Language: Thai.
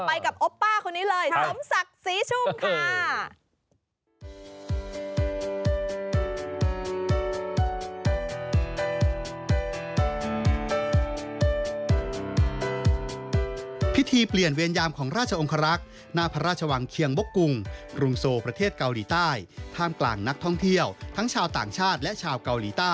กับโอปป้าคนนี้เลยสมศักดิ์ศรีชุ่มค่ะ